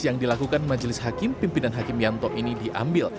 yang dilakukan majelis hakim pimpinan hakim yanto ini diambil